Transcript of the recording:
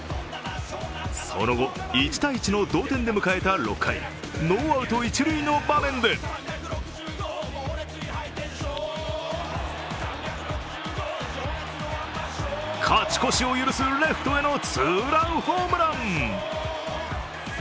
その後、１−１の同点で迎えた６回、ノーアウト一塁の場面で勝ち越しを許すレフトへのツーランホームラン。